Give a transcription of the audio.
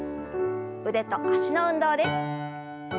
腕と脚の運動です。